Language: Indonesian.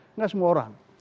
tidak semua orang